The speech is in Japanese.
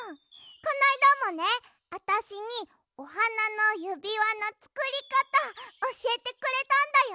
このあいだもねあたしにおはなのゆびわのつくりかたおしえてくれたんだよ。